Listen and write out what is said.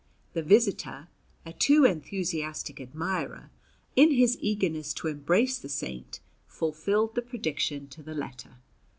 The visitor, a too enthusiastic admirer, in his eagerness to embrace the Saint, fulfilled the prediction to the letter.